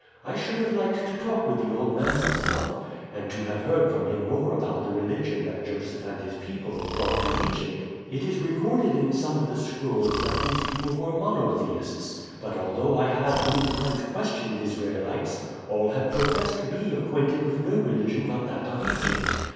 I should have liked to talk with the old man himself, and to have heard from him more about the religion that Joseph and his people brought to Egypt. It is recorded in some of the scrolls that these people were monotheists; but although I have many times questioned Israelites, all have professed to be acquainted with no religion but that of Egypt.